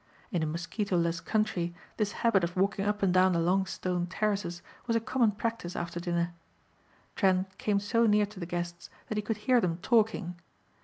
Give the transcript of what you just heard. In a mosquitoless country this habit of walking up and down the long stone terraces was a common practice after dinner. Trent came so near to the guests that he could hear them talking.